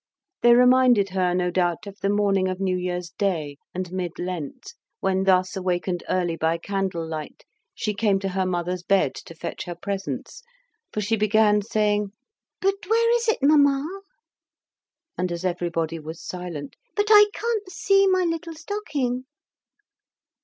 They reminded her, no doubt, of the morning of New Year's day and Mid Lent, when thus awakened early by candle light she came to her mother's bed to fetch her presents, for she began saying "But where is it, mamma?" And as everybody was silent, "But I can't see my little stocking."